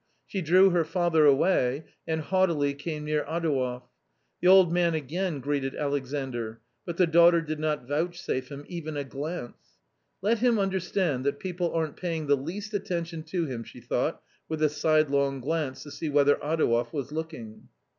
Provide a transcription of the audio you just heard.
She drew her father away, and haughtily came near Adouev. The old man again greeted Alexandr ; but the daughter did not vouchsafe him even a glance. " Let him understand that people aren't paying the least attention to him !" she thought with a sidelong glance to see whether Adouev was looking.